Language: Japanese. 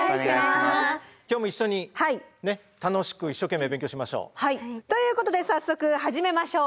今日も一緒に楽しく一生懸命勉強しましょう。ということで早速始めましょう。